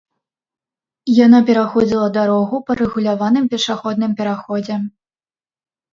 Яна пераходзіла дарогу па рэгуляваным пешаходным пераходзе.